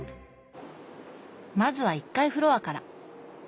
まずは１階フロアから。